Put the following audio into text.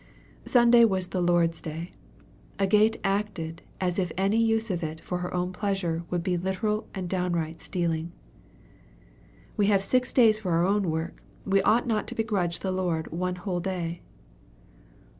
Sunday was the Lord's day. Agate acted as if any use of it for her own pleasure would be literal and downright stealing. "We have six days for our own work. We ought not to begrudge the Lord one whole day."